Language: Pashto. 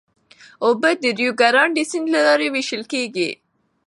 اوبه د ریو ګرانډې سیند له لارې وېشل کېږي.